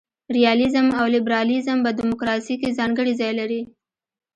ریالیزم او لیبرالیزم په دموکراسي کي ځانګړی ځای لري.